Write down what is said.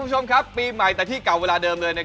โรแกรนรายการโรแกรนรายการ